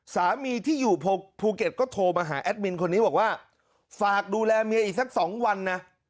สามีที่อยู่ภูเก็ตก็โทรมาหาแอดมินคนนี้บอกว่าฝากดูแลเมียอีกสัก๒วันนะ